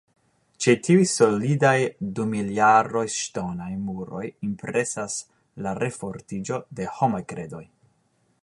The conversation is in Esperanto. Ĉe tiuj solidaj dumiljaraj ŝtonaj muroj impresas la refortiĝo de la homaj kredoj.